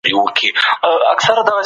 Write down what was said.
که تمرین سوی وای نو مهارت به نه خرابېدی.